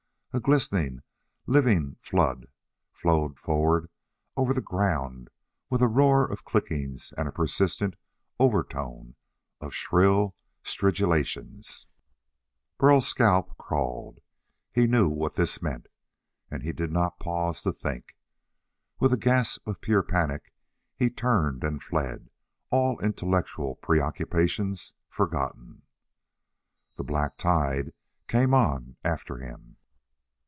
A glistening, living flood flowed forward over the ground with a roar of clickings and a persistent overtone of shrill stridulations. Burl's scalp crawled. He knew what this meant. And he did not pause to think. With a gasp of pure panic he turned and fled, all intellectual preoccupations forgotten. The black tide came on after him.